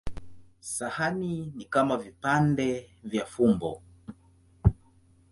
Sahani ni kama vipande vya fumbo.